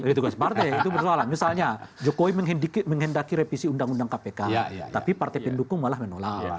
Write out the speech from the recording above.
petugas partai itu persoalan misalnya jokowi menghendaki revisi undang undang kpk tapi partai pendukung malah menolak